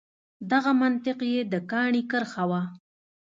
دغه منطق یې د کاڼي کرښه وه.